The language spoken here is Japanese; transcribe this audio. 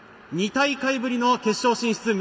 ２大会ぶりの決勝進出。